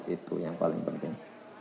itu yang paling penting